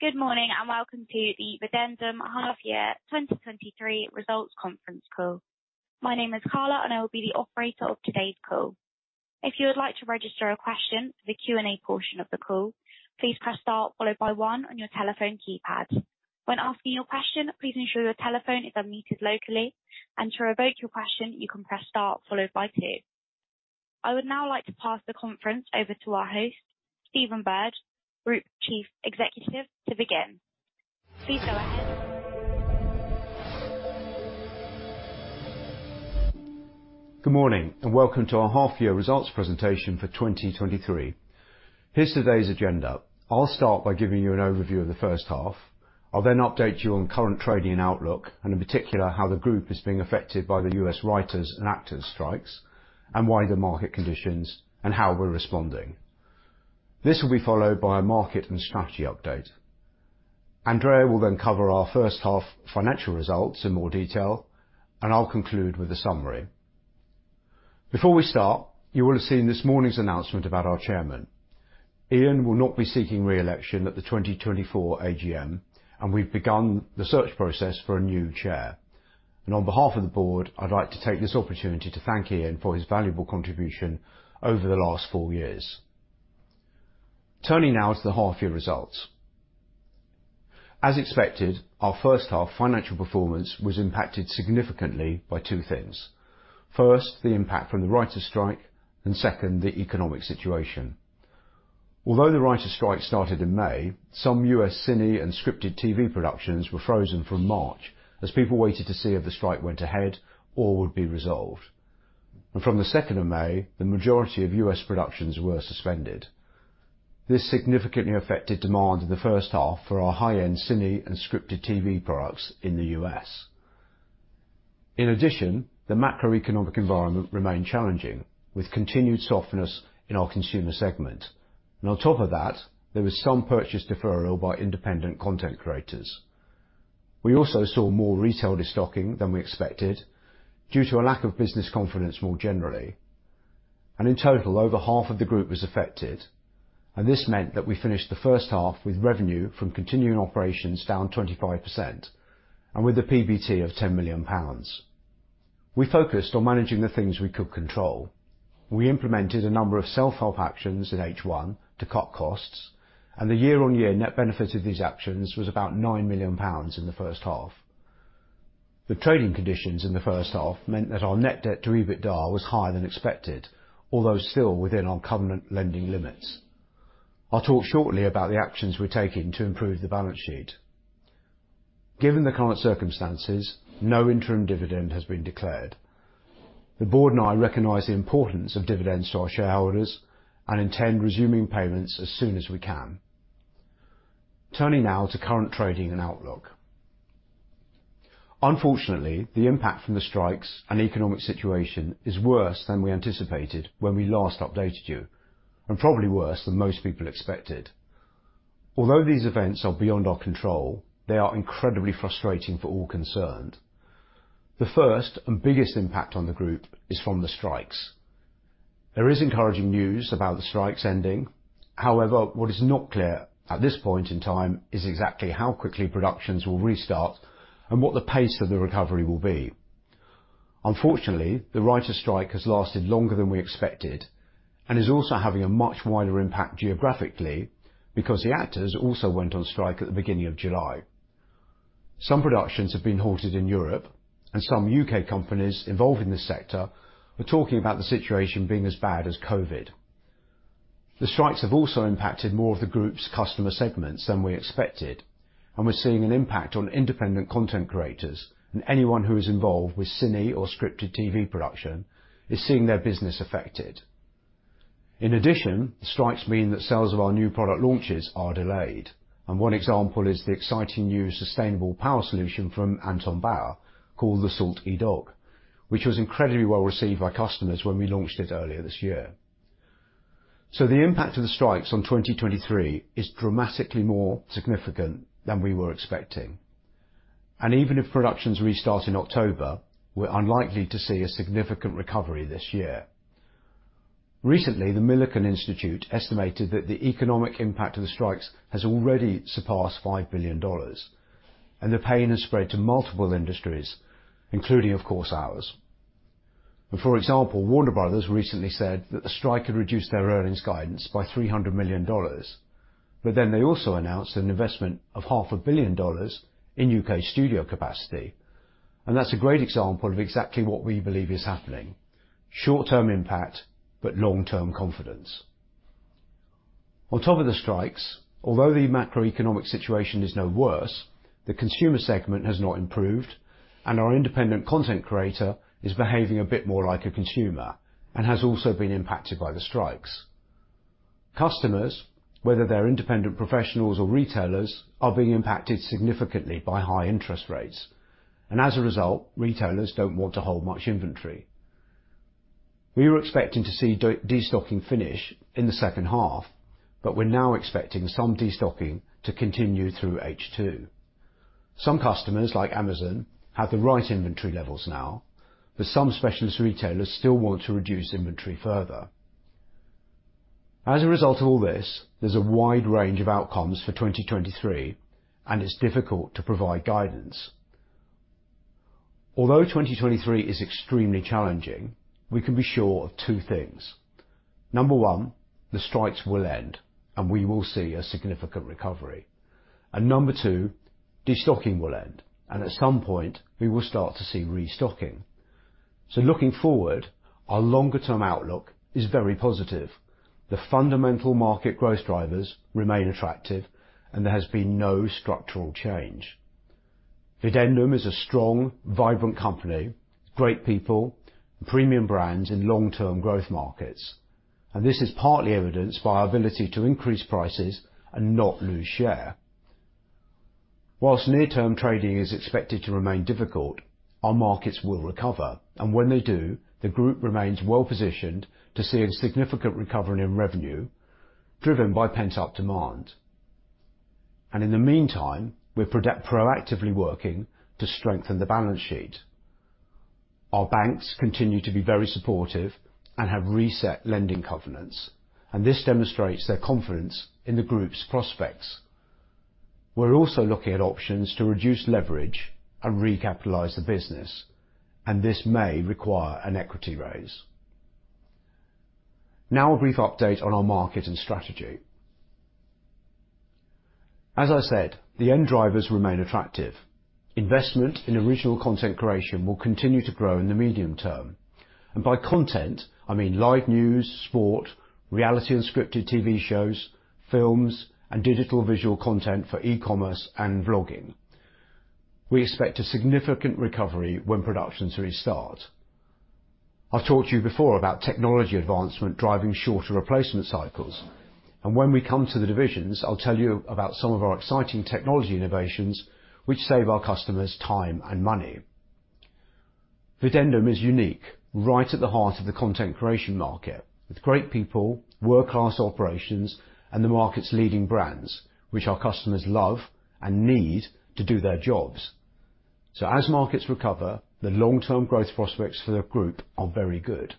Good morning, and welcome to the Videndum Half Year 2023 Results Conference Call. My name is Carla, and I will be the operator of today's call. If you would like to register a question for the Q&A portion of the call, please press Star followed by one on your telephone keypad. When asking your question, please ensure your telephone is unmuted locally, and to revoke your question, you can press Star followed by two. I would now like to pass the conference over to our host, Stephen Bird, Group Chief Executive, to begin. Please go ahead. Good morning, and welcome to our half-year results presentation for 2023. Here's today's agenda: I'll start by giving you an overview of the first half. I'll then update you on current trading and outlook, and in particular, how the group is being affected by the U.S. writers and actors strikes, and wider market conditions and how we're responding. This will be followed by a market and strategy update. Andrea will then cover our first half financial results in more detail, and I'll conclude with a summary. Before we start, you will have seen this morning's announcement about our chairman. Ian will not be seeking re-election at the 2024 AGM, and we've begun the search process for a new chair. On behalf of the board, I'd like to take this opportunity to thank Ian for his valuable contribution over the last four years. Turning now to the half-year results. As expected, our first half financial performance was impacted significantly by two things. First, the impact from the writers strike, and second, the economic situation. Although the writers strike started in May, some U.S. cine and scripted TV productions were frozen from March as people waited to see if the strike went ahead or would be resolved. From the second of May, the majority of U.S. productions were suspended. This significantly affected demand in the first half for our high-end cine and scripted TV products in the U.S. In addition, the macroeconomic environment remained challenging, with continued softness in our consumer segment, and on top of that, there was some purchase deferral by independent content creators. We also saw more retail destocking than we expected due to a lack of business confidence more generally, and in total, over half of the group was affected, and this meant that we finished the first half, with revenue from continuing operations down 25% and with a PBT of 10 million pounds. We focused on managing the things we could control. We implemented a number of self-help actions in H1 to cut costs, and the year-on-year net benefit of these actions was about 9 million pounds in the first half. The trading conditions in the first half meant that our net debt to EBITDA was higher than expected, although still within our covenant lending limits. I'll talk shortly about the actions we're taking to improve the balance sheet. Given the current circumstances, no interim dividend has been declared. The board and I recognize the importance of dividends to our shareholders and intend resuming payments as soon as we can. Turning now to current trading and outlook. Unfortunately, the impact from the strikes and economic situation is worse than we anticipated when we last updated you, and probably worse than most people expected. Although these events are beyond our control, they are incredibly frustrating for all concerned. The first and biggest impact on the group is from the strikes. There is encouraging news about the strikes ending. However, what is not clear at this point in time is exactly how quickly productions will restart and what the pace of the recovery will be. Unfortunately, the writers' strike has lasted longer than we expected and is also having a much wider impact geographically because the actors also went on strike at the beginning of July. Some productions have been halted in Europe, and some UK companies involved in this sector are talking about the situation being as bad as COVID. The strikes have also impacted more of the group's customer segments than we expected, and we're seeing an impact on independent content creators, and anyone who is involved with cine or scripted TV production is seeing their business affected. In addition, the strikes mean that sales of our new product launches are delayed, and one example is the exciting new sustainable power solution from Anton/Bauer, called the Salt-E Dog, which was incredibly well-received by customers when we launched it earlier this year. So the impact of the strikes on 2023 is dramatically more significant than we were expecting, and even if productions restart in October, we're unlikely to see a significant recovery this year. Recently, the Milken Institute estimated that the economic impact of the strikes has already surpassed $5 billion, and the pain has spread to multiple industries, including, of course, ours. For example, Warner Brothers recently said that the strike had reduced their earnings guidance by $300 million, but then they also announced an investment of $500 million in UK studio capacity, and that's a great example of exactly what we believe is happening: short-term impact, but long-term confidence. On top of the strikes, although the macroeconomic situation is no worse, the consumer segment has not improved, and our independent content creator is behaving a bit more like a consumer and has also been impacted by the strikes. Customers, whether they're independent professionals or retailers, are being impacted significantly by high interest rates, and as a result, retailers don't want to hold much inventory. We were expecting to see destocking finish in the second half, but we're now expecting some destocking to continue through H2. Some customers, like Amazon, have the right inventory levels now, but some specialist retailers still want to reduce inventory further. As a result of all this, there's a wide range of outcomes for 2023, and it's difficult to provide guidance. Although 2023 is extremely challenging, we can be sure of two things: number 1, the strikes will end, and we will see a significant recovery. And number 2, destocking will end, and at some point, we will start to see restocking. So looking forward, our longer-term outlook is very positive. The fundamental market growth drivers remain attractive, and there has been no structural change. Videndum is a strong, vibrant company, great people, premium brands in long-term growth markets, and this is partly evidenced by our ability to increase prices and not lose share. While near-term trading is expected to remain difficult, our markets will recover, and when they do, the group remains well-positioned to see a significant recovery in revenue driven by pent-up demand. In the meantime, we're proactively working to strengthen the balance sheet. Our banks continue to be very supportive and have reset lending covenants, and this demonstrates their confidence in the Group's prospects. We're also looking at options to reduce leverage and recapitalize the business, and this may require an equity raise. Now, a brief update on our market and strategy. As I said, the end drivers remain attractive. Investment in original content creation will continue to grow in the medium term, and by content, I mean live news, sport, reality and scripted TV shows, films, and digital visual content for e-commerce and vlogging. We expect a significant recovery when productions restart. I've talked to you before about technology advancement driving shorter replacement cycles, and when we come to the divisions, I'll tell you about some of our exciting technology innovations, which save our customers time and money. Videndum is unique, right at the heart of the content creation market, with great people, world-class operations, and the market's leading brands, which our customers love and need to do their jobs. So as markets recover, the long-term growth prospects for the group are very good.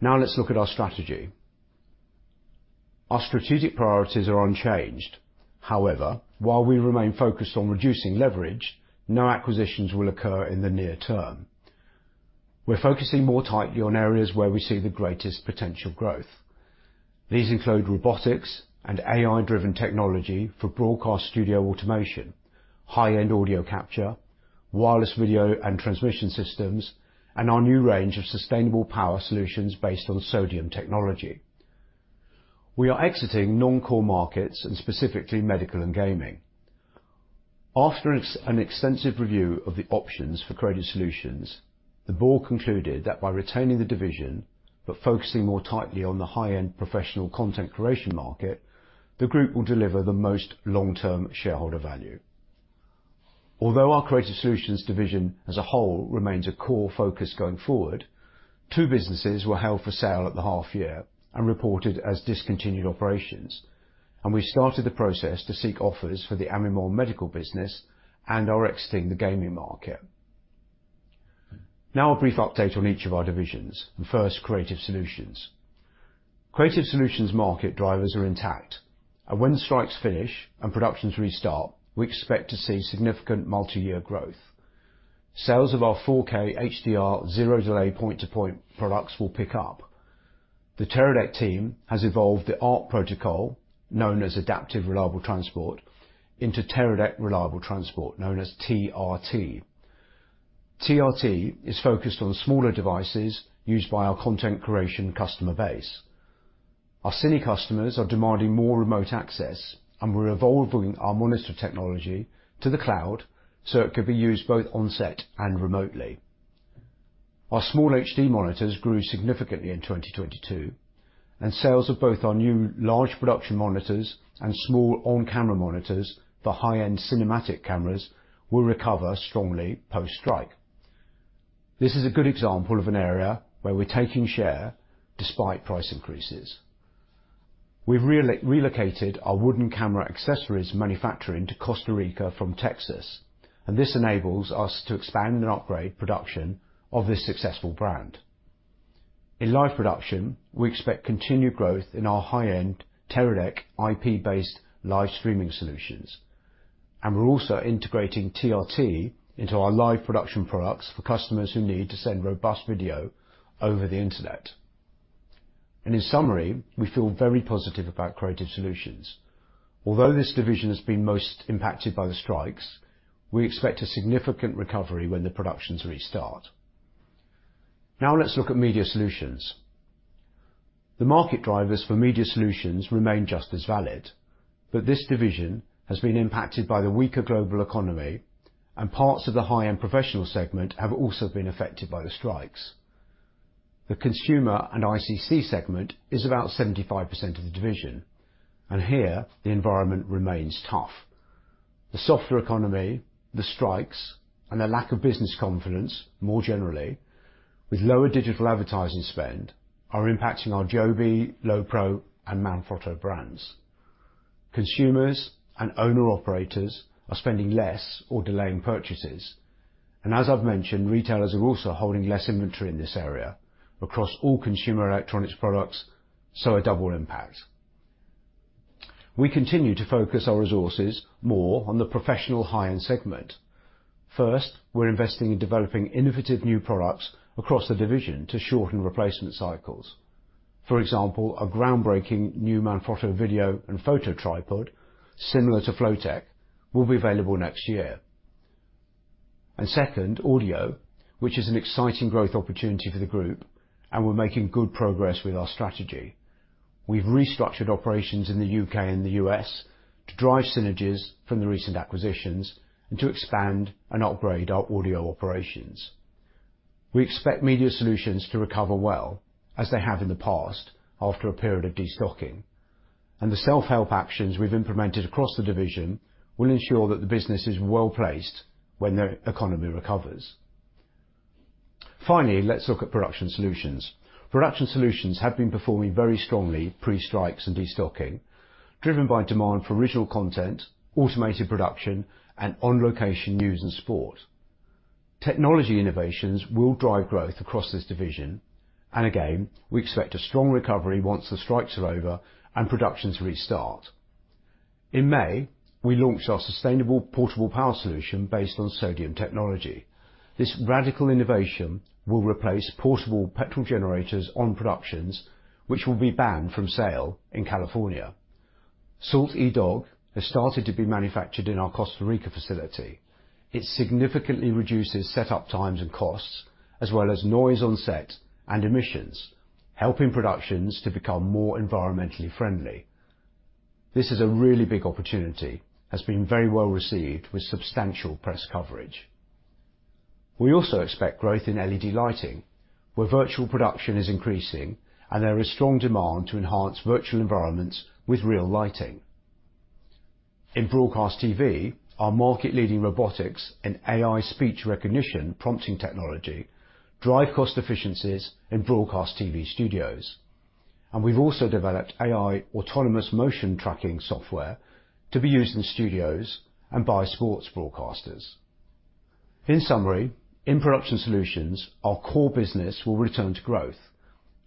Now let's look at our strategy. Our strategic priorities are unchanged. However, while we remain focused on reducing leverage, no acquisitions will occur in the near term. We're focusing more tightly on areas where we see the greatest potential growth. These include robotics and AI-driven technology for broadcast studio automation, high-end audio capture, wireless video and transmission systems, and our new range of sustainable power solutions based on sodium technology. We are exiting non-core markets, and specifically, medical and gaming. After an extensive review of the options for Creative Solutions, the board concluded that by retaining the division but focusing more tightly on the high-end professional content creation market, the group will deliver the most long-term shareholder value. Although our Creative Solutions division as a whole remains a core focus going forward, two businesses were held for sale at the half year and reported as discontinued operations, and we started the process to seek offers for the Amimon medical business and are exiting the gaming market. Now, a brief update on each of our divisions. First, Creative Solutions. Creative Solutions market drivers are intact, and when the strikes finish and productions restart, we expect to see significant multi-year growth. Sales of our 4K HDR zero-delay point-to-point products will pick up. The Teradek team has evolved the ART protocol, known as Adaptive Reliable Transport, into Teradek Reliable Transport, known as TRT. TRT is focused on the smaller devices used by our content creation customer base. Our cine customers are demanding more remote access, and we're evolving our monitor technology to the cloud, so it can be used both on set and remotely. Our SmallHD monitors grew significantly in 2022, and sales of both our new large production monitors and small on-camera monitors for high-end cinematic cameras will recover strongly post-strike. This is a good example of an area where we're taking share despite price increases. We've relocated our Wooden Camera accessories manufacturing to Costa Rica from Texas, and this enables us to expand and upgrade production of this successful brand. In live production, we expect continued growth in our high-end Teradek IP-based live streaming solutions, and we're also integrating TRT into our live production products for customers who need to send robust video over the internet. And in summary, we feel very positive about Creative Solutions. Although this division has been most impacted by the strikes, we expect a significant recovery when the productions restart. Now let's look at Media Solutions. The market drivers for Media Solutions remain just as valid, but this division has been impacted by the weaker global economy, and parts of the high-end professional segment have also been affected by the strikes. The consumer and ICC segment is about 75% of the division, and here the environment remains tough. The softer economy, the strikes, and a lack of business confidence, more generally, with lower digital advertising spend are impacting our JOBY, Lowepro, and Manfrotto brands. Consumers and owner-operators are spending less or delaying purchases, and as I've mentioned, retailers are also holding less inventory in this area across all consumer electronics products, so a double impact. We continue to focus our resources more on the professional high-end segment. First, we're investing in developing innovative new products across the division to shorten replacement cycles. For example, a groundbreaking new Manfrotto video and photo tripod, similar to Flowtech, will be available next year. Second, audio, which is an exciting growth opportunity for the group, and we're making good progress with our strategy. We've restructured operations in the U.K. and the U.S. to drive synergies from the recent acquisitions and to expand and upgrade our audio operations. We expect Media Solutions to recover well, as they have in the past, after a period of destocking, and the self-help actions we've implemented across the division will ensure that the business is well-placed when the economy recovers. Finally, let's look at Production Solutions. Production Solutions have been performing very strongly pre-strikes and destocking, driven by demand for original content, automated production, and on-location news and sport. Technology innovations will drive growth across this division, and again, we expect a strong recovery once the strikes are over and productions restart. In May, we launched our sustainable portable power solution based on sodium technology. This radical innovation will replace portable petrol generators on productions, which will be banned from sale in California. Salt-E Dog has started to be manufactured in our Costa Rica facility. It significantly reduces setup times and costs, as well as noise on set and emissions, helping productions to become more environmentally friendly. This is a really big opportunity, has been very well received with substantial press coverage. We also expect growth in LED lighting, where virtual production is increasing, and there is strong demand to enhance virtual environments with real lighting. In broadcast TV, our market-leading robotics and AI speech recognition prompting technology drive cost efficiencies in broadcast TV studios, and we've also developed AI autonomous motion tracking software to be used in studios and by sports broadcasters. In summary, in Production Solutions, our core business will return to growth,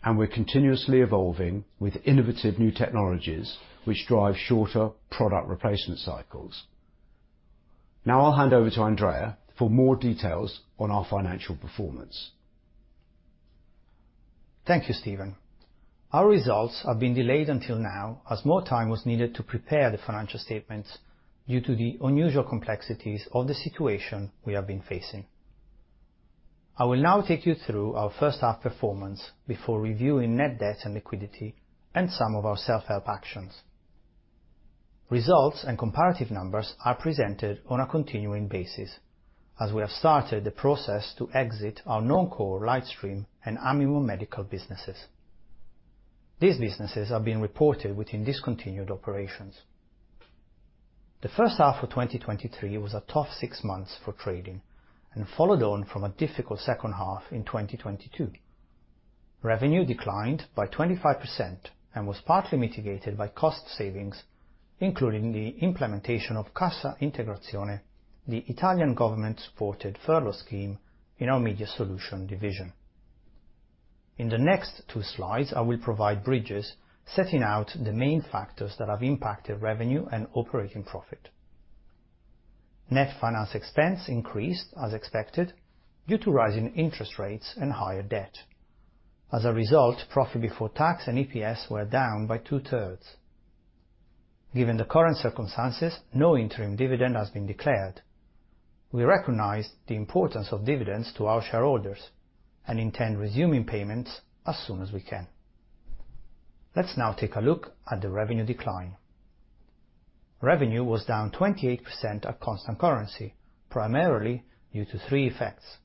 and we're continuously evolving with innovative new technologies which drive shorter product replacement cycles. Now I'll hand over to Andrea for more details on our financial performance. Thank you, Stephen. Our results have been delayed until now, as more time was needed to prepare the financial statements due to the unusual complexities of the situation we have been facing. I will now take you through our first half performance before reviewing net debt and liquidity and some of our self-help actions. Results and comparative numbers are presented on a continuing basis, as we have started the process to exit our non-core Lightstream and Amimon Medical businesses. These businesses are being reported within discontinued operations. The first half of 2023 was a tough six months for trading and followed on from a difficult second half in 2022. Revenue declined by 25% and was partly mitigated by cost savings, including the implementation of Cassa Integrazione, the Italian government-supported furlough scheme in our Media Solutions division. In the next 2 slides, I will provide bridges setting out the main factors that have impacted revenue and operating profit. Net finance expense increased, as expected, due to rising interest rates and higher debt. As a result, profit before tax and EPS were down by 2/3. Given the current circumstances, no interim dividend has been declared. We recognize the importance of dividends to our shareholders and intend resuming payments as soon as we can. Let's now take a look at the revenue decline. Revenue was down 28% at constant currency, primarily due to three effects.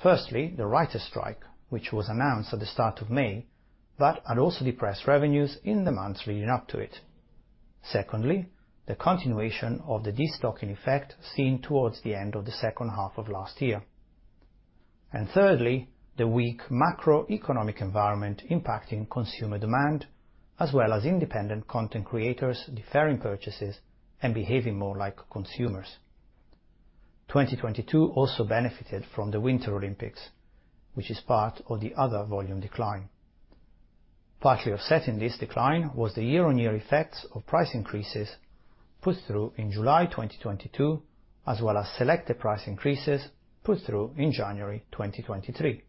Firstly, the writers' strike, which was announced at the start of May, but had also depressed revenues in the months leading up to it. Secondly, the continuation of the destocking effect seen towards the end of the second half of last year. And thirdly, the weak macroeconomic environment impacting consumer demand, as well as independent content creators deferring purchases and behaving more like consumers. 2022 also benefited from the Winter Olympics, which is part of the other volume decline. Partly offsetting this decline was the year-on-year effects of price increases pushed through in July 2022, as well as selected price increases pushed through in January 2023.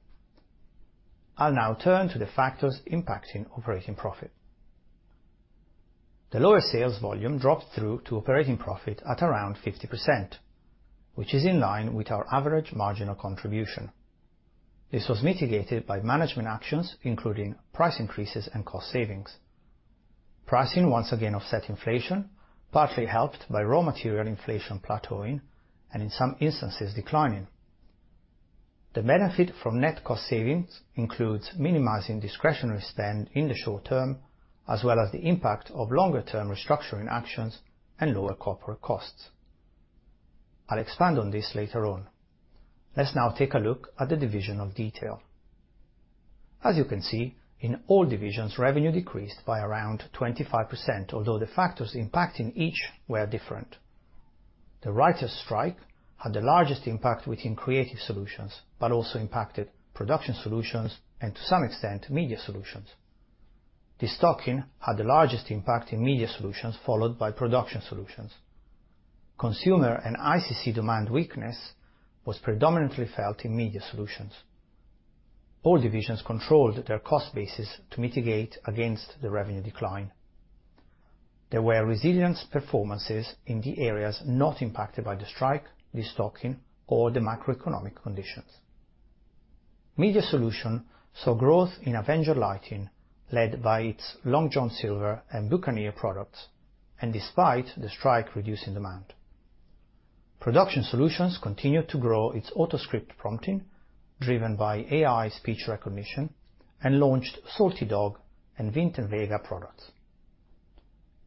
I'll now turn to the factors impacting operating profit. The lower sales volume dropped through to operating profit at around 50%, which is in line with our average marginal contribution. This was mitigated by management actions, including price increases and cost savings. Pricing once again offset inflation, partly helped by raw material inflation plateauing and, in some instances, declining. The benefit from net cost savings includes minimizing discretionary spend in the short term, as well as the impact of longer-term restructuring actions and lower corporate costs… I'll expand on this later on. Let's now take a look at the divisional detail. As you can see, in all divisions, revenue decreased by around 25%, although the factors impacting each were different. The writers' strike had the largest impact within Creative Solutions, but also impacted Production Solutions and to some extent, Media Solutions. De-stocking had the largest impact in Media Solutions, followed by Production Solutions. Consumer and ICC demand weakness was predominantly felt in Media Solutions. All divisions controlled their cost basis to mitigate against the revenue decline. There were resilient performances in the areas not impacted by the strike, the de-stocking or the macroeconomic conditions. Media Solutions saw growth in Avenger lighting, led by its Long John Silver and Buccaneer products, and despite the strike, reducing demand. Production Solutions continued to grow its Autoscript prompting, driven by AI speech recognition, and launched Salt-E Dog and Vinten Vega products.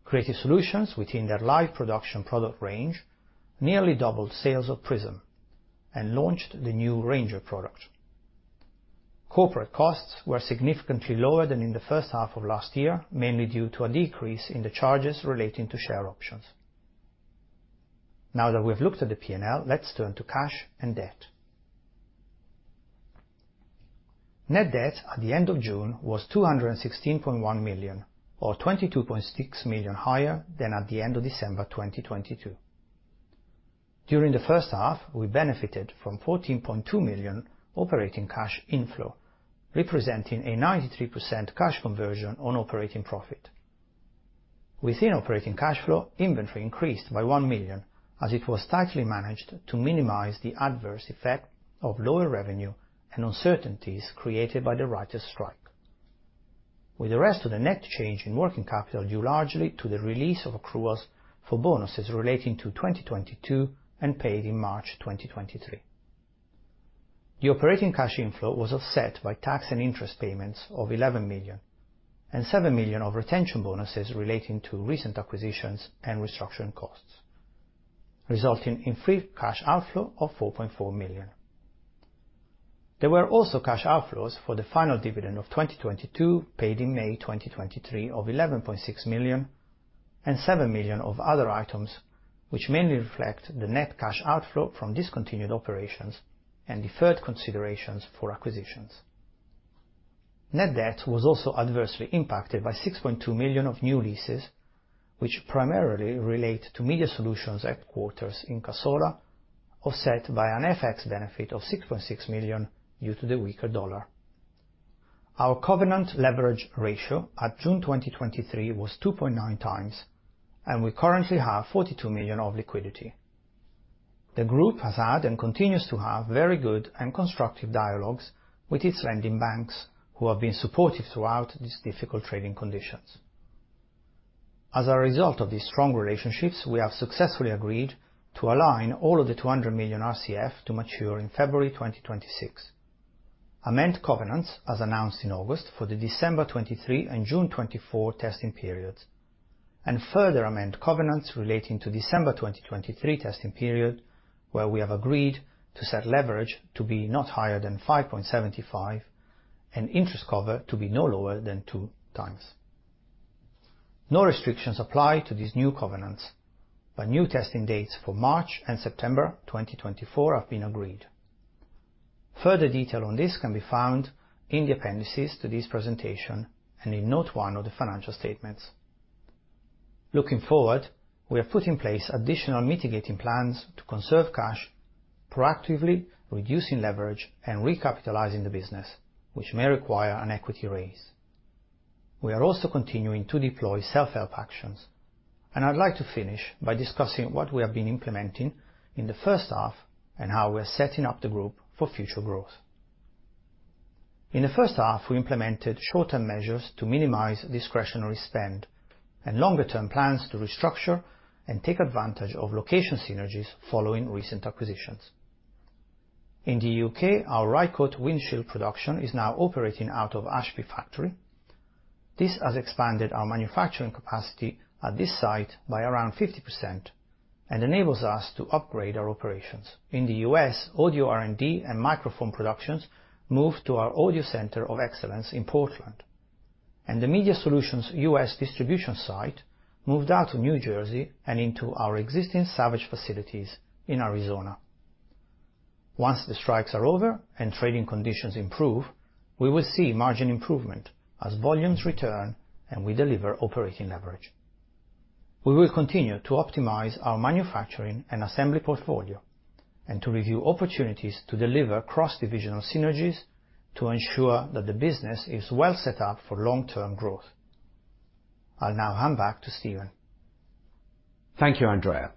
Creative Solutions within their live production product range, nearly doubled sales of Prism and launched the new Ranger product. Corporate costs were significantly lower than in the first half of last year, mainly due to a decrease in the charges relating to share options. Now that we have looked at the PNL, let's turn to cash and debt. Net debt at the end of June was 216.1 million, or 22.6 million higher than at the end of December 2022. During the first half, we benefited from 14.2 million operating cash inflow, representing a 93% cash conversion on operating profit. Within operating cash flow, inventory increased by 1 million as it was tightly managed to minimize the adverse effect of lower revenue and uncertainties created by the writers strike. With the rest of the net change in working capital, due largely to the release of accruals for bonuses relating to 2022 and paid in March 2023. The operating cash inflow was offset by tax and interest payments of 11 million and 7 million of retention bonuses relating to recent acquisitions and restructuring costs, resulting in free cash outflow of 4.4 million. There were also cash outflows for the final dividend of 2022, paid in May 2023 of 11.6 million and 7 million of other items, which mainly reflect the net cash outflow from discontinued operations and deferred considerations for acquisitions. Net debt was also adversely impacted by 6.2 million of new leases, which primarily relate to Media Solutions headquarters in Cassola, offset by an FX benefit of 6.6 million due to the weaker dollar. Our covenant leverage ratio at June 2023 was 2.9 times, and we currently have 42 million of liquidity. The group has had and continues to have very good and constructive dialogues with its lending banks, who have been supportive throughout these difficult trading conditions. As a result of these strong relationships, we have successfully agreed to align all of the 200 million RCF to mature in February 2026. Amend covenants, as announced in August, for the December 2023 and June 2024 testing periods, and further amend covenants relating to December 2023 testing period, where we have agreed to set leverage to be not higher than 5.75x, and interest cover to be no lower than 2x. No restrictions apply to these new covenants, but new testing dates for March and September 2024 have been agreed. Further detail on this can be found in the appendices to this presentation and in note one of the financial statements. Looking forward, we have put in place additional mitigating plans to conserve cash, proactively reducing leverage and recapitalizing the business, which may require an equity raise. We are also continuing to deploy self-help actions, and I'd like to finish by discussing what we have been implementing in the first half and how we are setting up the group for future growth. In the first half, we implemented short-term measures to minimize discretionary spend and longer-term plans to restructure and take advantage of location synergies following recent acquisitions. In the U.K., our Rycote windshield production is now operating out of Ashby factory. This has expanded our manufacturing capacity at this site by around 50% and enables us to upgrade our operations. In the U.S., audio R&D and microphone productions moved to our audio center of excellence in Portland, and the Media Solutions U.S. distribution site moved out to New Jersey and into our existing Savage facilities in Arizona. Once the strikes are over and trading conditions improve, we will see margin improvement as volumes return and we deliver operating leverage. We will continue to optimize our manufacturing and assembly portfolio and to review opportunities to deliver cross-divisional synergies to ensure that the business is well set up for long-term growth. I'll now hand back to Stephen. Thank you, Andrea.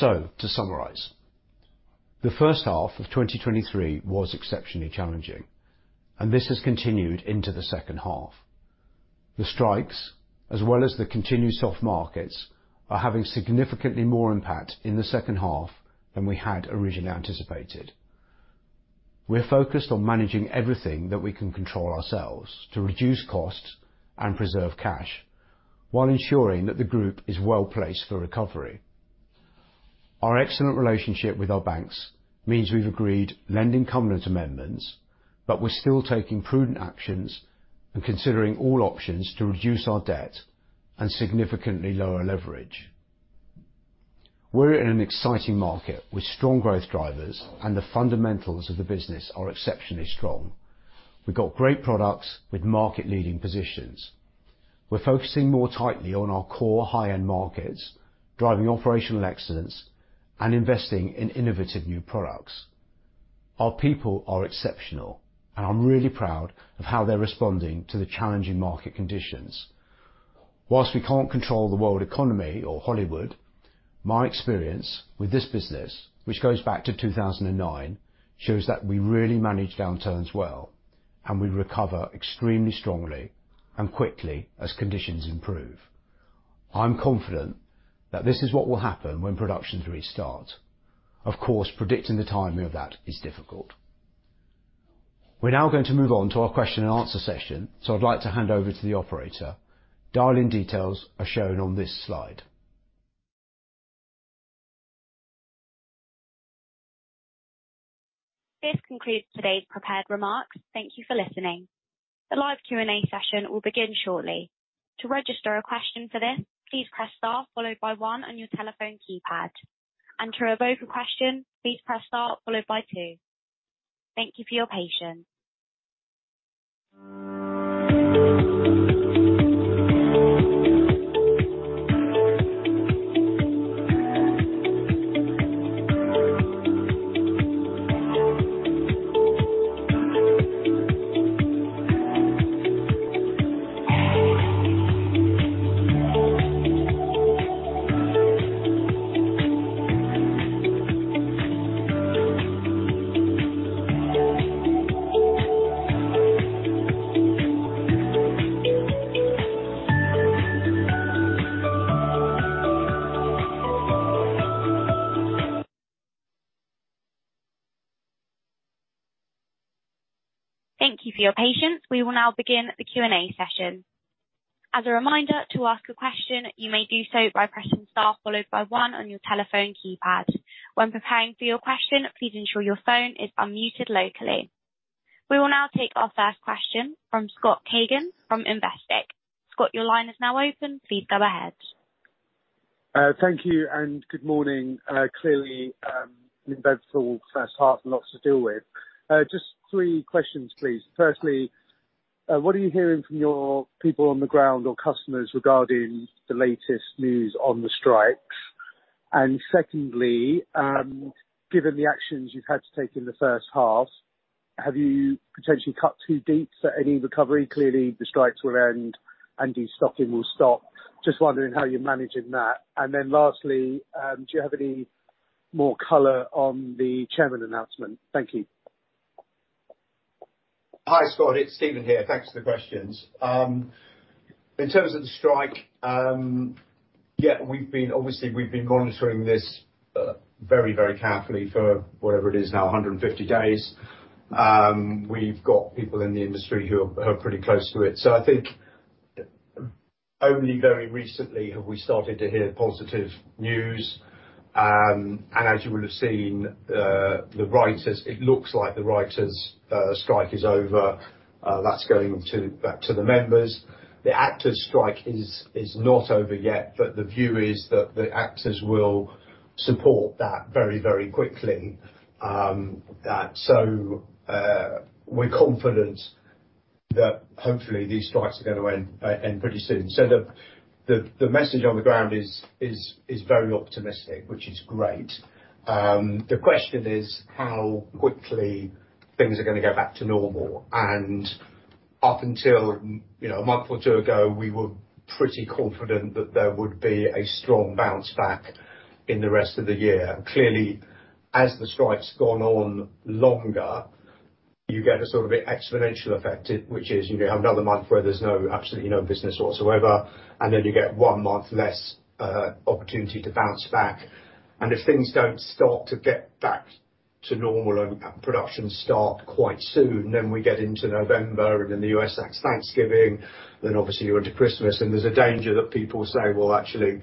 To summarize, the first half of 2023 was exceptionally challenging, and this has continued into the second half. The strikes, as well as the continued soft markets, are having significantly more impact in the second half than we had originally anticipated. We're focused on managing everything that we can control ourselves to reduce costs and preserve cash, while ensuring that the group is well-placed for recovery. Our excellent relationship with our banks means we've agreed lending covenant amendments, but we're still taking prudent actions and considering all options to reduce our debt and significantly lower leverage. We're in an exciting market with strong growth drivers, and the fundamentals of the business are exceptionally strong. We've got great products with market-leading positions. We're focusing more tightly on our core high-end markets, driving operational excellence and investing in innovative new products. Our people are exceptional, and I'm really proud of how they're responding to the challenging market conditions. While we can't control the world economy or Hollywood, my experience with this business, which goes back to 2009, shows that we really manage downturns well, and we recover extremely strongly and quickly as conditions improve. I'm confident that this is what will happen when production restart. Of course, predicting the timing of that is difficult. We're now going to move on to our question and answer session, so I'd like to hand over to the operator. Dial-in details are shown on this slide. This concludes today's prepared remarks. Thank you for listening. The live Q&A session will begin shortly. To register a question for this, please press Star followed by one on your telephone keypad. And to revoke a question, please press Star followed by two. Thank you for your patience. Thank you for your patience. We will now begin the Q&A session. As a reminder, to ask a question, you may do so by pressing Star followed by one on your telephone keypad. When preparing for your question, please ensure your phone is unmuted locally. We will now take our first question from Scott Cagehin from Investec. Scott, your line is now open. Please go ahead. Thank you, and good morning. Clearly, bedeviled first half, lots to deal with. Just three questions, please. Firstly, what are you hearing from your people on the ground or customers regarding the latest news on the strikes? And secondly, given the actions you've had to take in the first half, have you potentially cut too deep for any recovery? Clearly, the strikes will end and de-stocking will stop. Just wondering how you're managing that. And then lastly, do you have any more color on the chairman announcement? Thank you. Hi, Scott. It's Stephen here. Thanks for the questions. In terms of the strike, yeah, we've obviously been monitoring this very, very carefully for whatever it is now, 150 days. We've got people in the industry who are pretty close to it. So I think, only very recently have we started to hear positive news. And as you will have seen, the writers' strike is over. That's going back to the members. The actors strike is not over yet, but the view is that the actors will support that very, very quickly. So, we're confident that hopefully, these strikes are gonna end pretty soon. So the message on the ground is very optimistic, which is great. The question is, how quickly things are gonna go back to normal? And up until you know, a month or two ago, we were pretty confident that there would be a strong bounce back in the rest of the year. Clearly, as the strike's gone on longer, you get a sort of exponential effect, which is you have another month where there's no absolutely no business whatsoever, and then you get one month less opportunity to bounce back. And if things don't start to get back to normal and production start quite soon, then we get into November, and in the U.S., that's Thanksgiving, then obviously you're into Christmas, and there's a danger that people say: "Well, actually,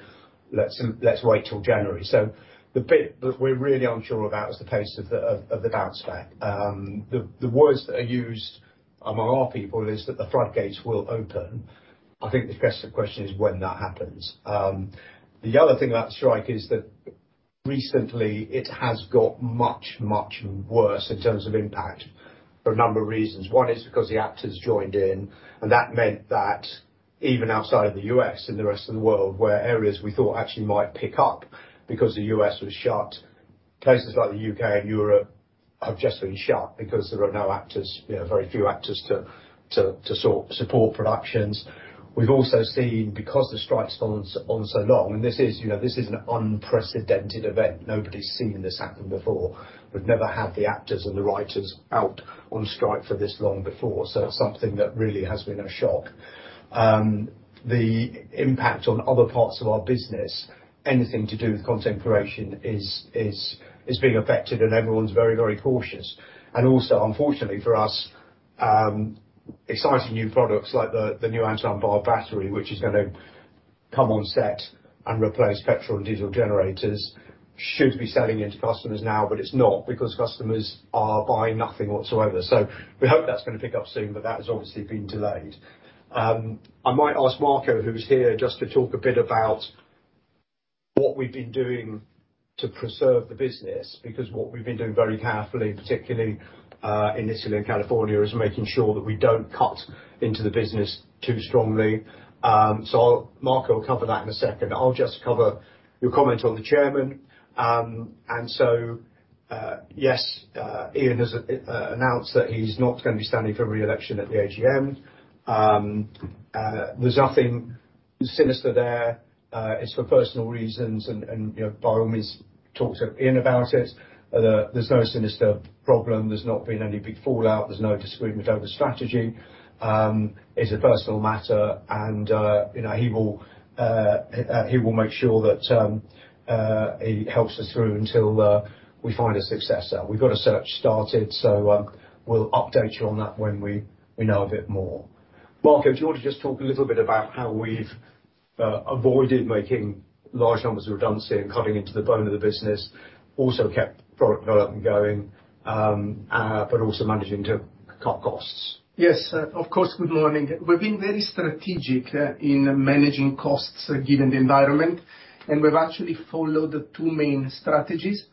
let's wait till January." So the bit that we're really unsure about is the pace of the bounce back. The words that are used among our people is that the floodgates will open. I think the best question is when that happens. The other thing about strike is that recently it has got much, much worse in terms of impact, for a number of reasons. One is because the actors joined in, and that meant that even outside the U.S., in the rest of the world, where areas we thought actually might pick up because the U.S. was shut, places like the U.K. and Europe have just been shut because there are no actors, you know, very few actors to support productions. We've also seen, because the strike's gone on so long, and this is, you know, this is an unprecedented event. Nobody's seen this happen before. We've never had the actors and the writers out-... On strike for this long before, so something that really has been a shock. The impact on other parts of our business, anything to do with content creation is being affected, and everyone's very, very cautious. And also, unfortunately for us, exciting new products like the new Anton/Bauer battery, which is gonna come on set and replace petrol and diesel generators, should be selling it to customers now, but it's not, because customers are buying nothing whatsoever. So we hope that's gonna pick up soon, but that has obviously been delayed. I might ask Marco, who's here, just to talk a bit about what we've been doing to preserve the business. Because what we've been doing very carefully, particularly in Italy and California, is making sure that we don't cut into the business too strongly. So I'll, Marco will cover that in a second. I'll just cover your comment on the chairman. And so, yes, Ian has announced that he's not gonna be standing for reelection at the AGM. There's nothing sinister there. It's for personal reasons and, you know, by all means, talk to Ian about it. There's no sinister problem. There's not been any big fallout. There's no disagreement over strategy. It's a personal matter, and, you know, he will make sure that he helps us through until we find a successor. We've got a search started, so we'll update you on that when we know a bit more. Marco, do you want to just talk a little bit about how we've avoided making large numbers of redundancy and cutting into the bone of the business, also kept product development going, but also managing to cut costs? Yes, of course. Good morning. We've been very strategic in managing costs, given the environment, and we've actually followed the two main strategies.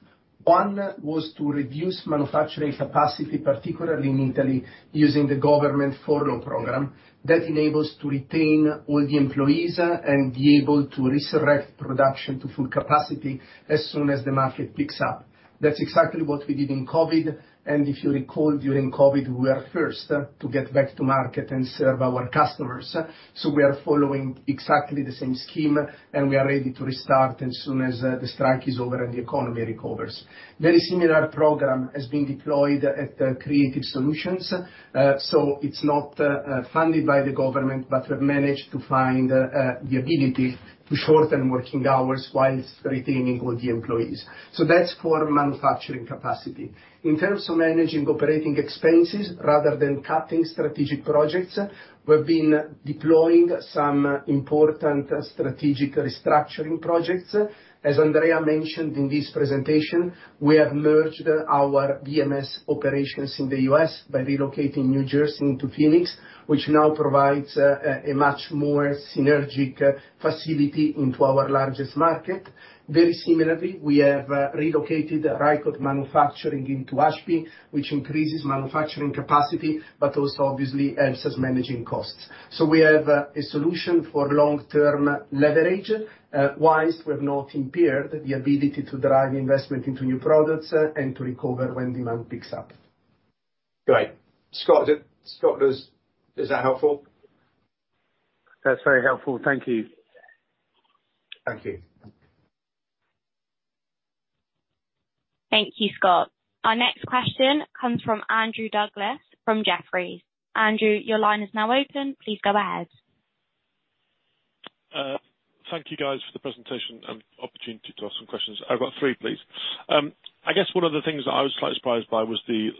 One was to reduce manufacturing capacity, particularly in Italy, using the government furlough program. That enables to retain all the employees, and be able to resurrect production to full capacity as soon as the market picks up. That's exactly what we did in COVID, and if you recall, during COVID, we were first to get back to market and serve our customers. So we are following exactly the same scheme, and we are ready to restart as soon as the strike is over and the economy recovers. Very similar program has been deployed at Creative Solutions. So it's not funded by the government, but we've managed to find the ability to shorten working hours whilst retaining all the employees. That's for manufacturing capacity. In terms of managing operating expenses, rather than cutting strategic projects, we've been deploying some important strategic restructuring projects. As Andrea mentioned in this presentation, we have merged our VMS operations in the US by relocating New Jersey into Phoenix, which now provides a much more synergistic facility into our largest market. Very similarly, we have relocated Rycote manufacturing into Ashby, which increases manufacturing capacity, but also obviously helps us managing costs. We have a solution for long-term leverage wise, we've not impaired the ability to drive investment into new products, and to recover when demand picks up. Great. Scott, is that helpful? That's very helpful. Thank you. Thank you. Thank you, Scott. Our next question comes from Andrew Douglas from Jefferies. Andrew, your line is now open. Please go ahead. Thank you, guys, for the presentation and opportunity to ask some questions. I've got three, please. I guess one of the things that I was quite surprised by was the,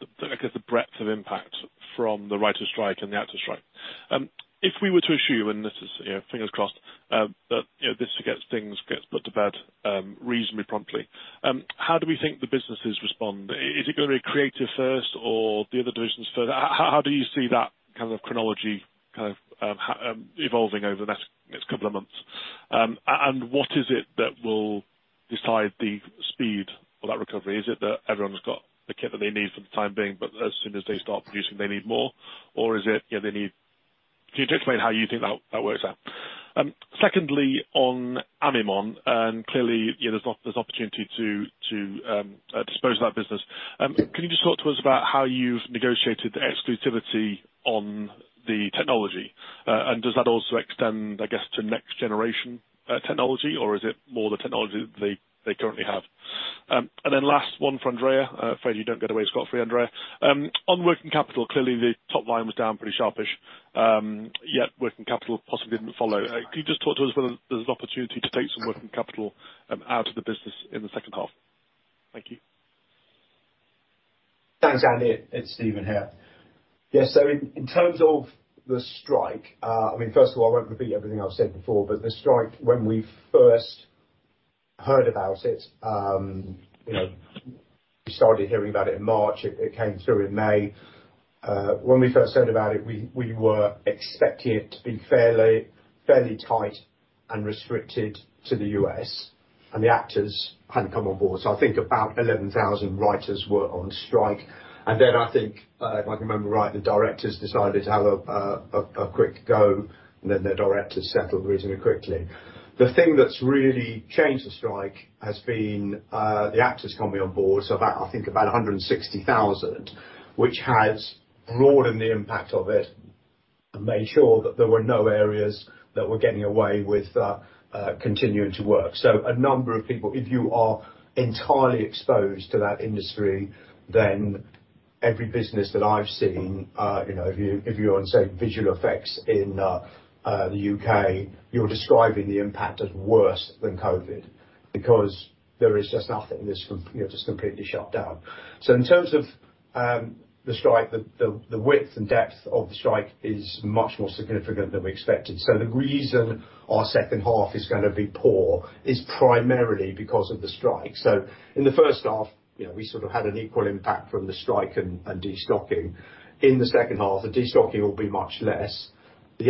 the, I guess, the breadth of impact from the writers' strike and the actors' strike. If we were to assume, and this is, you know, fingers crossed, that, you know, this gets, things get put to bed, reasonably promptly, how do we think the businesses respond? Is it gonna be creative first or the other divisions first? How, how do you see that kind of chronology kind of evolving over the next, next couple of months? And what is it that will decide the speed of that recovery? Is it that everyone's got the kit that they need for the time being, but as soon as they start producing, they need more? Or is it, you know, they need... Can you just explain how you think that works out? Secondly, on Amimon, and clearly, you know, there's opportunity to dispose of that business. Can you just talk to us about how you've negotiated the exclusivity on the technology, and does that also extend, I guess, to next generation technology, or is it more the technology that they currently have? And then last one for Andrea. Afraid you don't get away scot-free, Andrea. On working capital, clearly the top line was down pretty sharpish. Yet working capital possibly didn't follow. Can you just talk to us whether there's an opportunity to take some working capital out of the business in the second half? Thank you. Thanks, Andy. It's Stephen here. Yes, so in terms of the strike, I mean, first of all, I won't repeat everything I've said before, but the strike, when we first heard about it, you know, we started hearing about it in March. It came through in May. When we first heard about it, we were expecting it to be fairly tight and restricted to the U.S., and the actors hadn't come on board. So I think about 11,000 writers were on strike, and then I think, if I can remember right, the directors decided to have a quick go, and then the directors settled reasonably quickly. The thing that's really changed the strike has been the actors coming on board, so about, I think about 160,000, which has broadened the impact of it. Made sure that there were no areas that were getting away with continuing to work. So a number of people, if you are entirely exposed to that industry, then every business that I've seen, you know, if you, if you're on, say, visual effects in the UK, you're describing the impact as worse than COVID because there is just nothing. There's you know, just completely shut down. So in terms of the strike, the width and depth of the strike is much more significant than we expected. So the reason our second half is gonna be poor is primarily because of the strike. So in the first half, you know, we sort of had an equal impact from the strike and destocking. In the second half, the destocking will be much less. The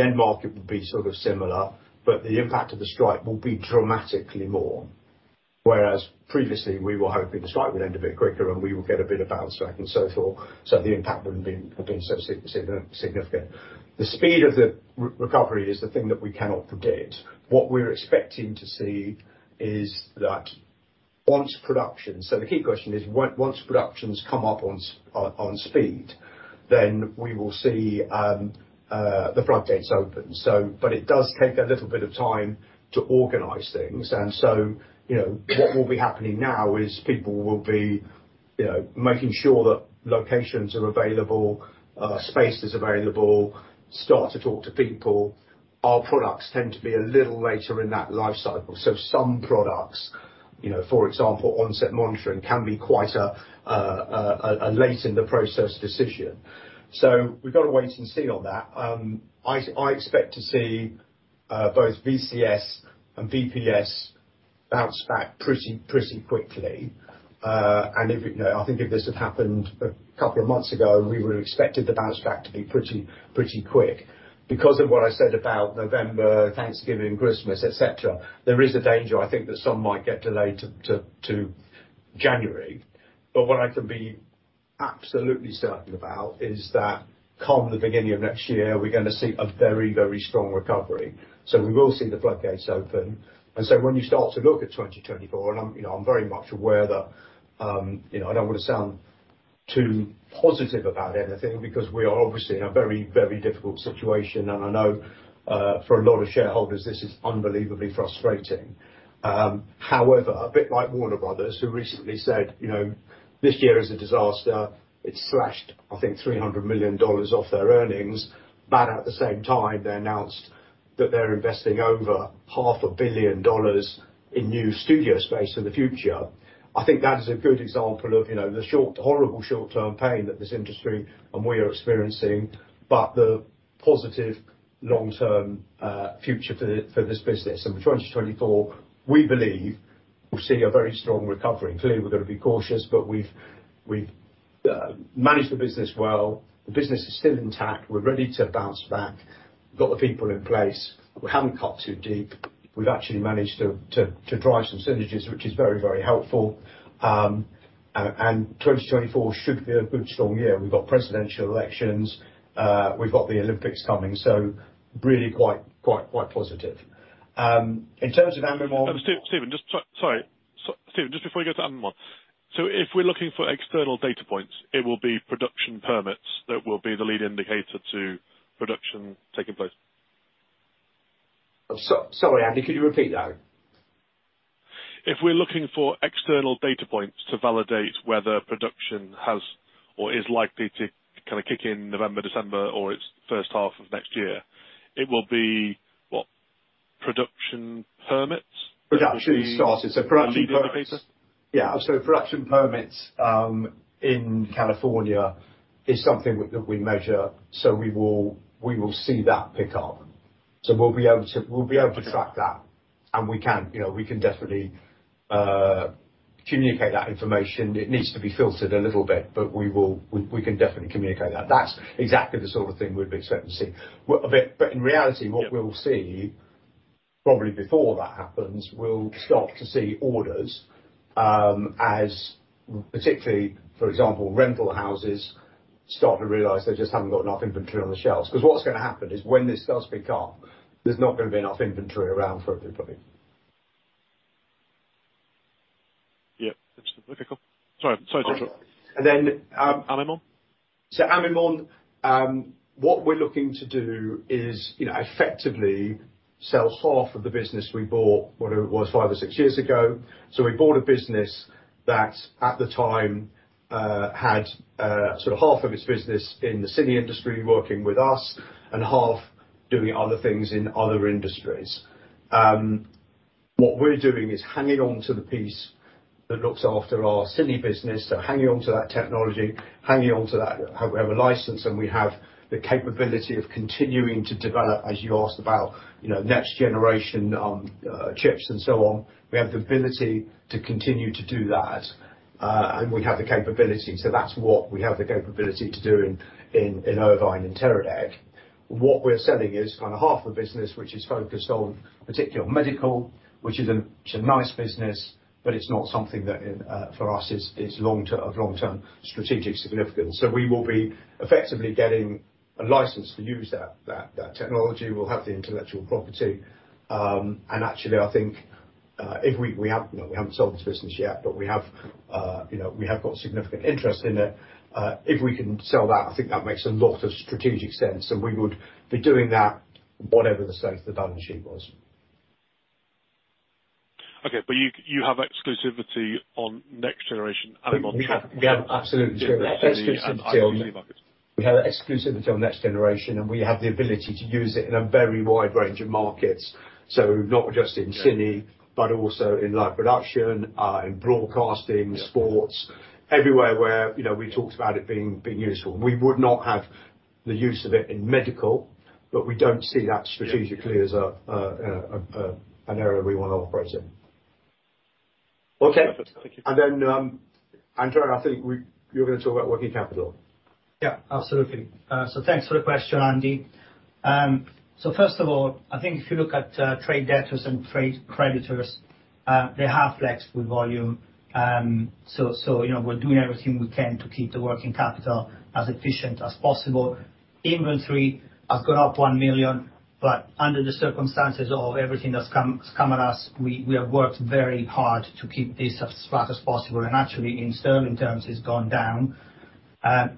end market will be sort of similar, but the impact of the strike will be dramatically more, whereas previously we were hoping the strike would end a bit quicker, and we would get a bit of bounce back and so forth, so the impact wouldn't be, have been so significant. The speed of the recovery is the thing that we cannot predict. What we're expecting to see is that once production-- So the key question is: once productions come up on, on speed, then we will see, the floodgates open. So, but it does take a little bit of time to organize things, and so, you know, what will be happening now is people will be, you know, making sure that locations are available, spaces are available, start to talk to people. Our products tend to be a little later in that life cycle, so some products, you know, for example, on-set monitoring, can be quite a late-in-the-process decision. So we've got to wait and see on that. I expect to see both VCS and VPS bounce back pretty quickly, and if it, you know... I think if this had happened a couple of months ago, we would've expected the bounce back to be pretty quick. Because of what I said about November, Thanksgiving, Christmas, et cetera, there is a danger, I think, that some might get delayed to January. But what I can be absolutely certain about is that come the beginning of next year, we're gonna see a very, very strong recovery. So we will see the floodgates open. And so when you start to look at 2024, and I'm, you know, I'm very much aware that, you know, I don't want to sound too positive about anything because we are obviously in a very, very difficult situation, and I know, for a lot of shareholders, this is unbelievably frustrating. However, a bit like Warner Brothers, who recently said, "You know, this year is a disaster," it slashed, I think, $300 million off their earnings. But at the same time, they announced that they're investing over $500 million in new studio space for the future. I think that is a good example of, you know, the short-- horrible short-term pain that this industry and we are experiencing, but the positive long-term, future for the, for this business. And for 2024, we believe we'll see a very strong recovery. Clearly, we've got to be cautious, but we've managed the business well. The business is still intact. We're ready to bounce back. We've got the people in place. We haven't cut too deep. We've actually managed to drive some synergies, which is very, very helpful. And 2024 should be a good, strong year. We've got presidential elections, we've got the Olympics coming, so really quite positive. In terms of Amimon- Stephen, just before you go to Amimon. So if we're looking for external data points, it will be production permits that will be the lead indicator to production taking place? Sorry, Andy, could you repeat that? If we're looking for external data points to validate whether production has or is likely to kind of kick in November, December, or it's first half of next year, it will be what? Production permits that will be- Production started. Production permits- Yeah. So production permits in California is something that we measure, so we will see that pick up. So we'll be able to track that, and we can, you know, we can definitely communicate that information. It needs to be filtered a little bit, but we will... We can definitely communicate that. That's exactly the sort of thing we'd be expecting to see. But in reality- Yeah... what we'll see probably before that happens, we'll start to see orders, as particularly, for example, rental houses start to realize they just haven't got enough inventory on the shelves. Because what's gonna happen is when this does pick up, there's not gonna be enough inventory around for everybody. Yeah. Okay, cool. Sorry, sorry, Joshua. And then, Amimon? So Amimon, what we're looking to do is, you know, effectively sell half of the business we bought, what it was five or six years ago. So we bought a business that, at the time, had, sort of half of its business in the cine industry, working with us, and half doing other things in other industries. What we're doing is hanging on to the piece that looks after our cine business, so hanging on to that technology, hanging on to that-- We have a license, and we have the capability of continuing to develop, as you asked about, you know, next generation, chips and so on. We have the ability to continue to do that, and we have the capability, so that's what we have the capability to do in Irvine and Teradek. What we're selling is kind of half the business, which is focused on particular medical, which is a nice business, but it's not something that for us is of long-term strategic significance. So we will be effectively getting a license to use that technology. We'll have the intellectual property, and actually, I think if we have, you know, we haven't sold this business yet, but we have, you know, we have got significant interest in it. If we can sell that, I think that makes a lot of strategic sense, and we would be doing that whatever the state of the balance sheet was. Okay, but you have exclusivity on next generation Amimon? We have exclusivity on next generation, and we have the ability to use it in a very wide range of markets, so not just in cine, but also in live production, in broadcasting- Yeah. e-sports, everywhere where, you know, we talked about it being useful. We would not have the use of it in medical, but we don't see that- Yeah. strategically as an area we want to operate in. Okay. Thank you. And then, Andrea, I think you're gonna talk about working capital. Yeah, absolutely. So thanks for the question, Andy. So first of all, I think if you look at trade debtors and trade creditors, they have flexed with volume. So, you know, we're doing everything we can to keep the working capital as efficient as possible. Inventory has gone up 1 million, but under the circumstances of everything that's come, has come at us, we have worked very hard to keep this as flat as possible, and actually, in sterling terms, it's gone down.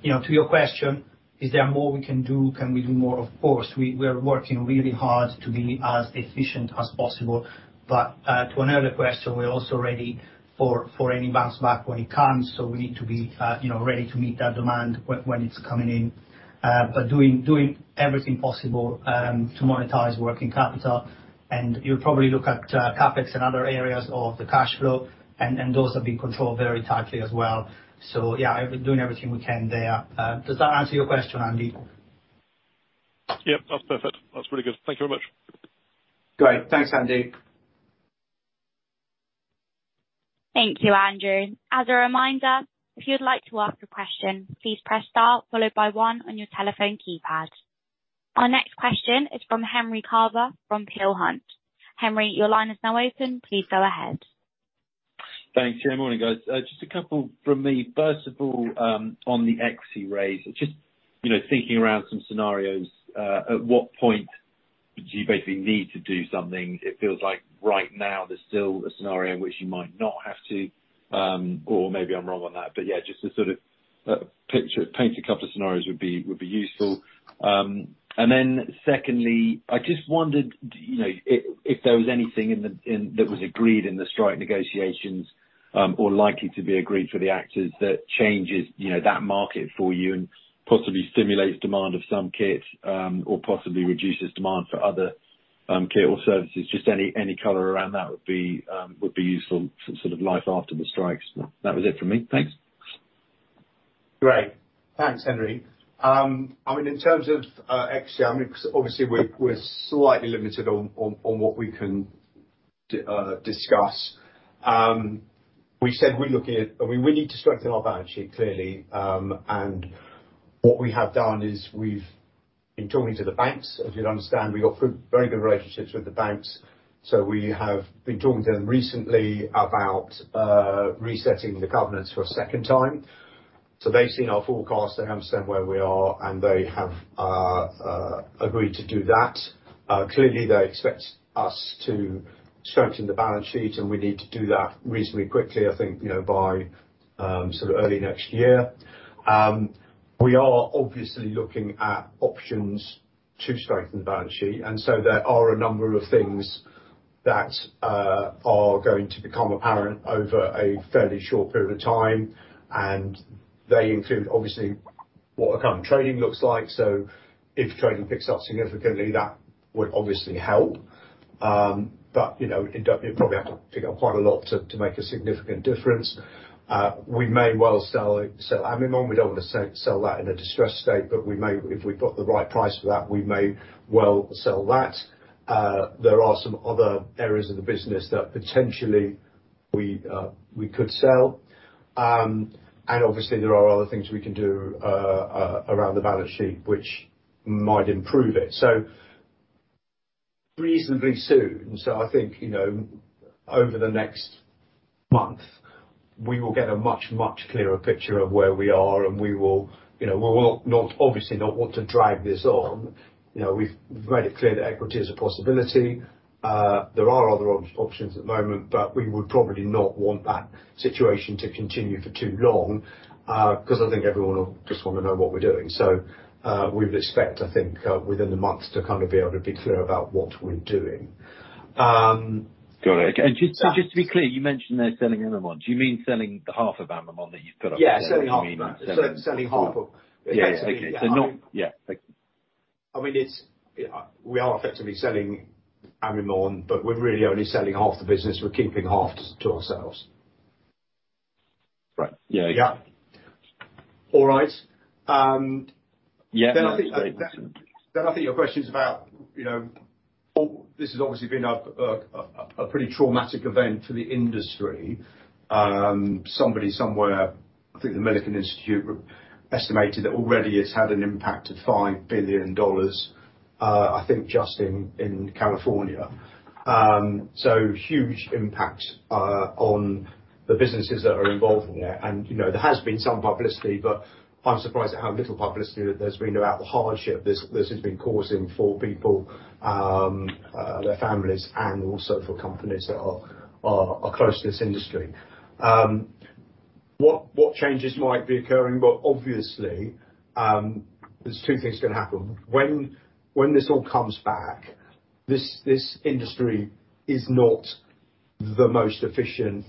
You know, to your question, is there more we can do? Can we do more? Of course, we're working really hard to be as efficient as possible. But, to another question, we're also ready for, for any bounce back when it comes, so we need to be, you know, ready to meet that demand when it's coming in. But doing, doing everything possible, to monetize working capital. And you'll probably look at, CapEx and other areas of the cash flow, and, those are being controlled very tightly as well. So yeah, everything we can there. Does that answer your question, Andy? Yep, that's perfect. That's really good. Thank you very much. Great. Thanks, Andy. Thank you, Andrew. As a reminder, if you'd like to ask a question, please press star followed by one on your telephone keypad. Our next question is from Henry Carver from Peel Hunt. Henry, your line is now open. Please go ahead. Thanks. Yeah, morning, guys. Just a couple from me. First of all, on the equity raise, just, you know, thinking around some scenarios, at what point do you basically need to do something? It feels like right now, there's still a scenario in which you might not have to, or maybe I'm wrong on that. But yeah, just to sort of paint a picture of a couple of scenarios would be useful. And then secondly, I just wondered, you know, if there was anything in that was agreed in the strike negotiations, or likely to be agreed for the actors, that changes, you know, that market for you and possibly stimulates demand of some kit, or possibly reduces demand for other kit or services. Just any color around that would be useful for sort of life after the strikes. That was it from me. Thanks. Great. Thanks, Henry. I mean, in terms of equity, I mean, obviously, we're slightly limited on what we can discuss. We said we're looking at... I mean, we need to strengthen our balance sheet, clearly. And what we have done is we've been talking to the banks. As you'd understand, we've got very good relationships with the banks, so we have been talking to them recently about resetting the governance for a second time. So they've seen our forecast, they understand where we are, and they have agreed to do that. Clearly, they expect us to strengthen the balance sheet, and we need to do that reasonably quickly, I think, you know, by sort of early next year. We are obviously looking at options to strengthen the balance sheet, and so there are a number of things that are going to become apparent over a fairly short period of time, and they include, obviously, what our current trading looks like. So if trading picks up significantly, that would obviously help. But, you know, it'd probably have to pick up quite a lot to make a significant difference. We may well sell Amimon. We don't want to sell that in a distressed state, but we may, if we've got the right price for that, we may well sell that. There are some other areas of the business that potentially we could sell. And obviously, there are other things we can do around the balance sheet, which might improve it. So reasonably soon, I think, you know, over the next month, we will get a much, much clearer picture of where we are, and we will, you know, we will not, obviously not want to drag this on. You know, we've made it clear that equity is a possibility. There are other options at the moment, but we would probably not want that situation to continue for too long, because I think everyone will just want to know what we're doing. So, we'd expect, I think, within the month to kind of be able to be clear about what we're doing. Got it. Yeah. Just, just to be clear, you mentioned there selling Amimon. Do you mean selling the half of Amimon that you've got up for sale? Yeah. selling- Selling half of- Yeah. Okay. So not- Yeah, thank you. I mean, it's, we are effectively selling Amimon, but we're really only selling half the business. We're keeping half to ourselves. Right. Yeah. Yeah. All right. Yeah. Then I think your question is about, you know, this has obviously been a pretty traumatic event for the industry. Somebody, somewhere, I think the Milken Institute, estimated that already it's had an impact of $5 billion, I think just in California. So huge impact on the businesses that are involved in it. And, you know, there has been some publicity, but I'm surprised at how little publicity there's been about the hardship this has been causing for people, their families and also for companies that are close to this industry. What changes might be occurring? Well, obviously, there's two things can happen. When this all comes back, this industry is not the most efficient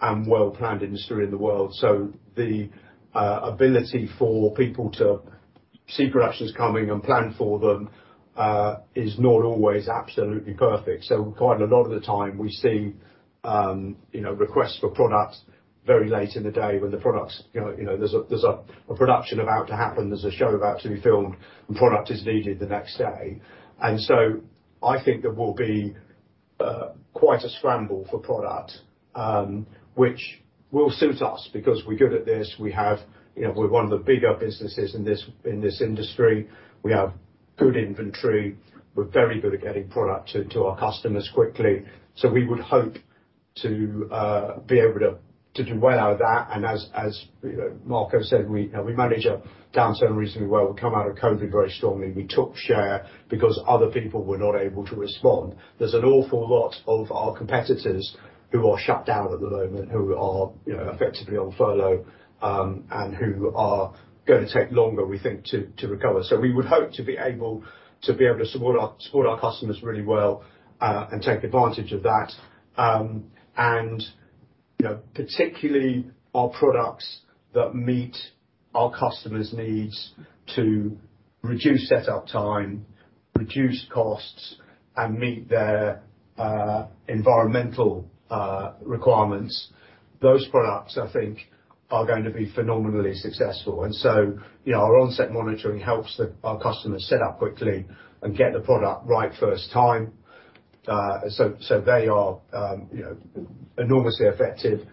and well-planned industry in the world, so the ability for people to see productions coming and plan for them is not always absolutely perfect. So quite a lot of the time, we see, you know, requests for products very late in the day when the products, you know, there's a production about to happen, there's a show about to be filmed, and product is needed the next day. And so I think there will be quite a scramble for product, which will suit us because we're good at this. We have-- You know, we're one of the bigger businesses in this industry. We have good inventory. We're very good at getting product to our customers quickly. So we would hope to be able to do well out of that, and as you know, Marco said, we manage a downturn reasonably well. We come out of COVID very strongly. We took share because other people were not able to respond. There's an awful lot of our competitors who are shut down at the moment, who are, you know, effectively on furlough, and who are gonna take longer, we think, to recover. So we would hope to be able to support our customers really well, and take advantage of that. And, you know, particularly our products that meet our customers' needs to reduce setup time, reduce costs, and meet their environmental requirements. Those products, I think, are going to be phenomenally successful. And so, you know, our on-set monitoring helps the, our customers set up quickly and get the product right first time. So, so they are, you know, enormously effective.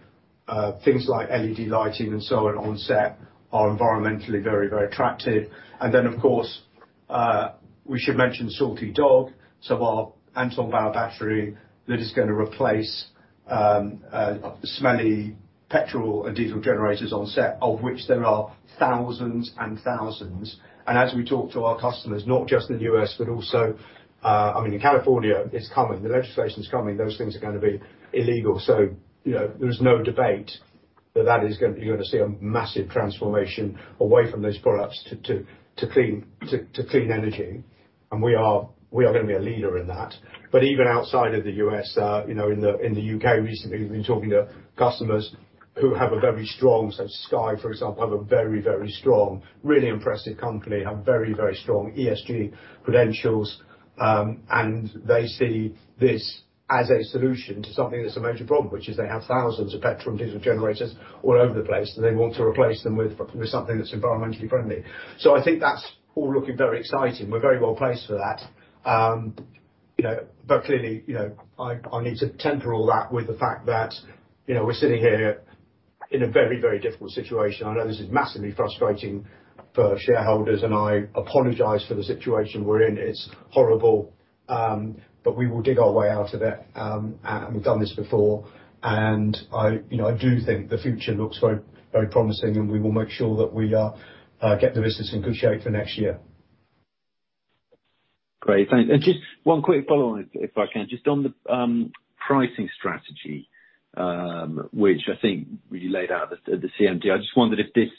Things like LED lighting and so on, on set are environmentally very, very attractive. And then, of course, we should mention Salt-E Dog, so our Anton/Bauer battery, that is gonna replace, smelly petrol and diesel generators on set, of which there are thousands and thousands. And as we talk to our customers, not just in the U.S., but also, I mean, in California, it's coming, the legislation's coming, those things are gonna be illegal. So, you know, there is no debate that that is gonna—you're gonna see a massive transformation away from those products to clean energy, and we are gonna be a leader in that. But even outside of the US, you know, in the UK recently, we've been talking to customers who have a very strong—So Sky, for example, have a very, very strong, really impressive company [that] have very, very strong ESG credentials. And they see this as a solution to something that's a major problem, which is they have thousands of petrol and diesel generators all over the place, and they want to replace them with something that's environmentally friendly. So I think that's all looking very exciting. We're very well placed for that. You know, but clearly, you know, I, I need to temper all that with the fact that, you know, we're sitting here in a very, very difficult situation. I know this is massively frustrating for shareholders, and I apologize for the situation we're in. It's horrible, but we will dig our way out of it, and we've done this before. And I, you know, I do think the future looks very, very promising, and we will make sure that we get the business in good shape for next year. Great! Thanks. And just one quick follow-on, if I can. Just on the pricing strategy, which I think we laid out at the CMe. I just wondered if this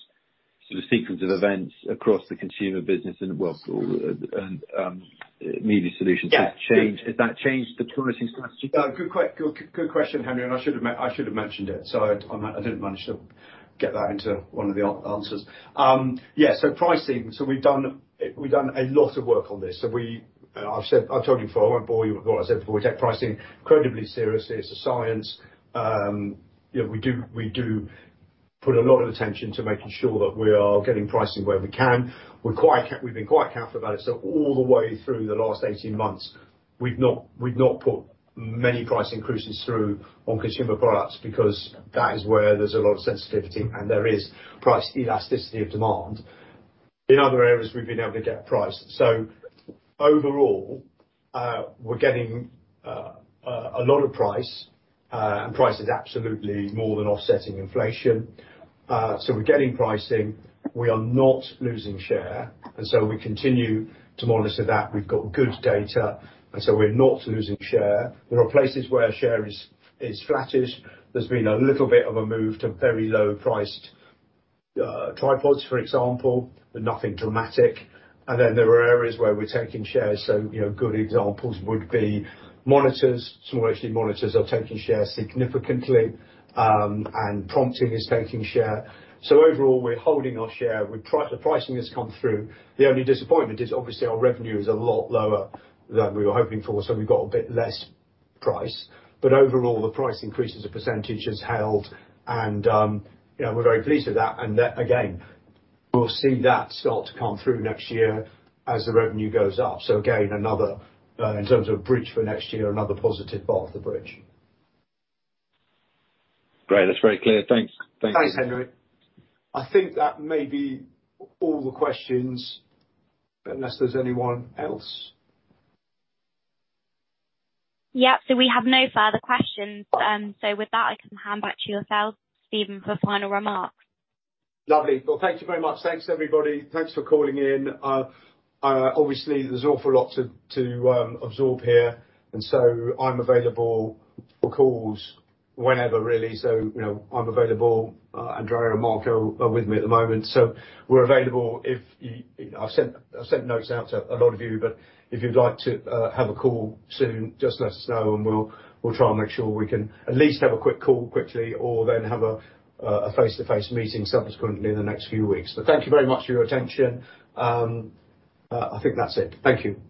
sort of sequence of events across the consumer business and, well, and Media Solutions- Yeah. Has that changed the pricing strategy? Good question, Henry, and I should have mentioned it, so I didn't manage to get that into one of the answers. Yeah, so pricing, so we've done a lot of work on this. So we... I've said. I've told you before, I won't bore you with what I said before. We take pricing incredibly seriously. It's a science. You know, we do, we do put a lot of attention to making sure that we are getting pricing where we can. We've been quite careful about it, so all the way through the last 18 months, we've not, we've not put many price increases through on consumer products, because that is where there's a lot of sensitivity, and there is price elasticity of demand. In other areas, we've been able to get price. So overall, we're getting a lot of price, and price is absolutely more than offsetting inflation. So we're getting pricing, we are not losing share, and so we continue to monitor that. We've got good data, and so we're not losing share. There are places where our share is flattish. There's been a little bit of a move to very low-priced tripods, for example, but nothing dramatic. And then there are areas where we're taking shares. So, you know, good examples would be monitors. SmallHD monitors are taking share significantly, and prompting is taking share. So overall, we're holding our share. The pricing has come through. The only disappointment is obviously our revenue is a lot lower than we were hoping for, so we've got a bit less price. But overall, the price increase as a percentage is held and, you know, we're very pleased with that. And then again, we'll see that start to come through next year as the revenue goes up. So again, another, in terms of bridge for next year, another positive part of the bridge. Great! That's very clear. Thanks. Thanks. Thanks, Henry. I think that may be all the questions, unless there's anyone else. Yeah. We have no further questions. With that, I can hand back to yourself, Stephen, for final remarks. Lovely. Well, thank you very much. Thanks, everybody. Thanks for calling in. Obviously, there's an awful lot to absorb here, and so I'm available for calls whenever, really. So, you know, I'm available. Andrea and Marco are with me at the moment, so we're available if I've sent, I've sent notes out to a lot of you, but if you'd like to have a call soon, just let us know, and we'll try and make sure we can at least have a quick call quickly, or then have a face-to-face meeting subsequently in the next few weeks. But thank you very much for your attention. I think that's it. Thank you.